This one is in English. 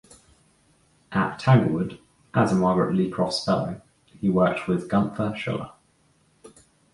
At Tanglewood, as a Margret Lee Crofts Fellow, he worked with Gunther Schuller.